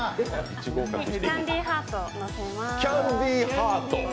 キャンディーハートをのせます。